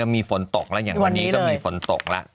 มีฝนตกแล้วอย่างวันนี้ก็มีฝนตกแล้ว